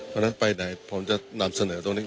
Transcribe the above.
เพราะฉะนั้นไปไหนผมจะนำเสนอตรงนี้